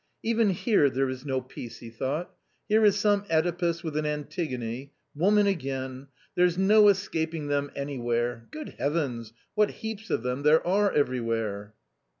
" Even here there is no peace !" he thought. " Here is some CEdipus with an Antigone. Woman again ! There's no escaping them anywhere. Good Heavens ! what heaps of them there are everywhere."